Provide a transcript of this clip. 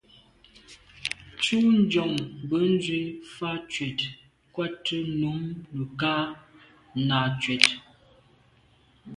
Ntù njon bènzwi fa tshwèt nkwate num nekag nà tshwèt.